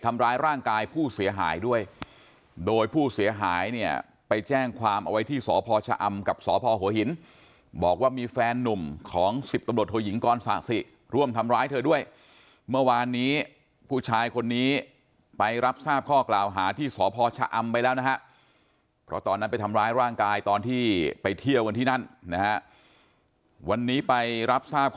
ทำร้ายร่างกายผู้เสียหายด้วยโดยผู้เสียหายเนี่ยไปแจ้งความเอาไว้ที่สพชะอำกับสพหัวหินบอกว่ามีแฟนนุ่มของ๑๐ตำรวจโทยิงกรสะสิร่วมทำร้ายเธอด้วยเมื่อวานนี้ผู้ชายคนนี้ไปรับทราบข้อกล่าวหาที่สพชะอำไปแล้วนะฮะเพราะตอนนั้นไปทำร้ายร่างกายตอนที่ไปเที่ยวกันที่นั่นนะฮะวันนี้ไปรับทราบค